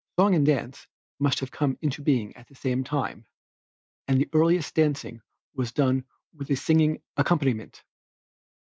Song and dance must have come into being at the same time, and the earliest dancing was done with a singing accompaniment.